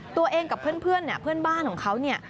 ตัวเองกับเพื่อนเนี่ยเพื่อนบ้านของเขาเนี่ย